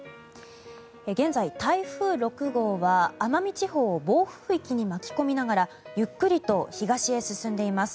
現在、台風６号は奄美地方を暴風域に巻き込みながらゆっくりと東へ進んでいます。